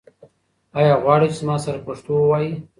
آیا غواړې چې زما سره پښتو ووایې؟